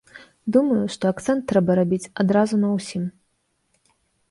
Думаю, што акцэнт трэба рабіць адразу на ўсім.